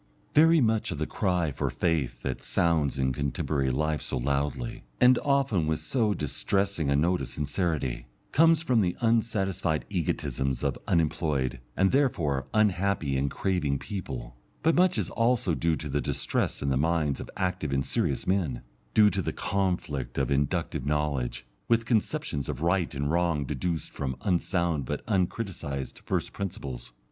Very much of the cry for faith that sounds in contemporary life so loudly, and often with so distressing a note of sincerity, comes from the unsatisfied egotisms of unemployed, and, therefore, unhappy and craving people; but much is also due to the distress in the minds of active and serious men, due to the conflict of inductive knowledge, with conceptions of right and wrong deduced from unsound, but uncriticised, first principles.